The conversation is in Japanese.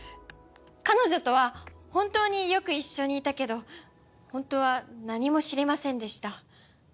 彼女とは本当によく一緒にいたけど本当は何も知りませんでした。